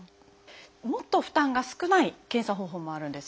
もっと負担が少ない検査方法もあるんです。